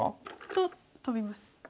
とトビます。